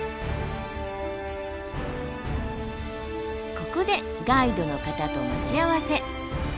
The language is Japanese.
ここでガイドの方と待ち合わせ。